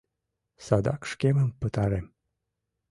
Садак шкемым пытарем...